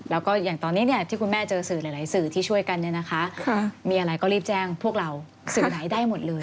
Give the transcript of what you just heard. แล้วก็อย่างตอนนี้ที่คุณแม่เจอสื่อหลายสื่อที่ช่วยกันมีอะไรก็รีบแจ้งพวกเราสื่อไหนได้หมดเลย